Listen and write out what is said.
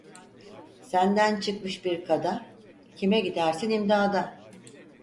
Senden çıkmış bir kada, kime gidersin imdada.